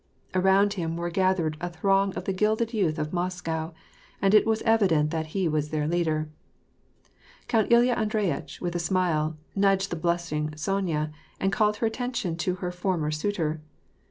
Around him were gathered a throng of the gilded youth of Moscow, and it was evident that he was their leader. Count Uya Andreyitch, with a smile, nudged the blushing Sonya, and called her attention to her former suitor.